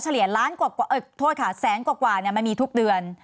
เฉลี่ยล้านกว่าเอ่อโทษค่ะแสนกว่ากว่าเนี้ยมันมีทุกเดือน